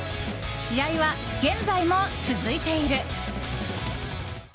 試合は現在も続いている。